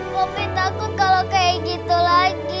mungkin takut kalau kayak gitu lagi